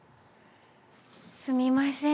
すみません